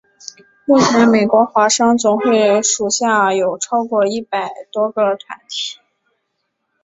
目前美国华商总会属下有超过一百多个团体。